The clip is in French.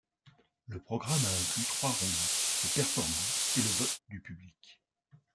Le programme a inclus trois rounds de performances et le vote du public.